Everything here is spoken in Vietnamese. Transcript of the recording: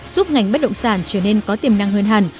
giúp ngành bất động sản trở nên có tiềm năng hơn hẳn